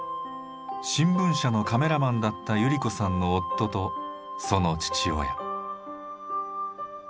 新聞社のカメラマンだった百合子さんの夫とその父親。